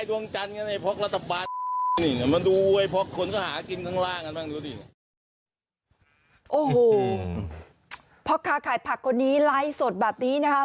โอ้โหพระกาศขายผักคนนี้ไร้สดแบบนี้นะฮะ